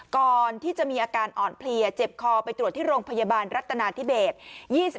ก่อนที่จะมีอาการอ่อนเพลียเจ็บคอไปตรวจที่โรงพยาบาลรัฐนาธิเบศ